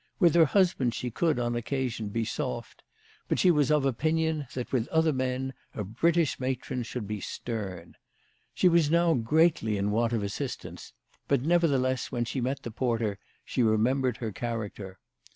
With her husband she could, on occa sion, be soft, but she was of opinion that with other men a British matron should be stern. She was now greatly in want of assistance ; but, nevertheless, when she met the porter she remembered her character.